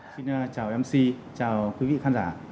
xin chào mc chào quý vị khán giả